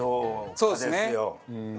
そうですね。